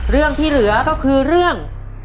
เรื่องที่เหลือก็คือเรื่อง